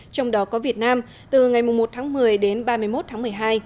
trong đó có việt nam từ ngày một tháng một mươi đến ba mươi một tháng một mươi hai